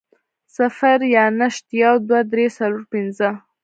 صفر يا نشت, يو, دوه, درې, څلور, پنځه